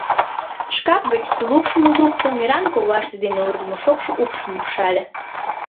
Шкап гыч тулупшым лукто, мераҥ коваште дене ургымо шокшо упшым упшале.